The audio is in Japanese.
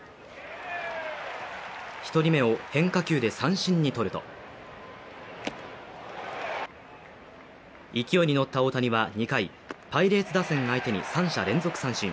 １人目を変化球で三振にとると勢いにのった大谷は２回、パイレーツ打線相手に３者連続三振。